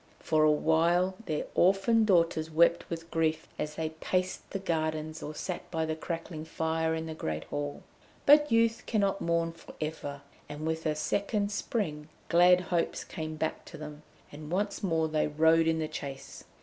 For awhile their orphaned daughters wept with grief as they paced the gardens, or sat by the crackling fire in the great hall. But youth cannot mourn for ever, and with a second spring, glad hopes came back to them, and once more they rode in the chase.